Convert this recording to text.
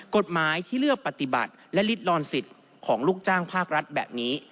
กฎหมายที่เลือกปฏิบัติและลิดลอนสิทธิ์ของลูกจ้างภาครัฐแบบนี้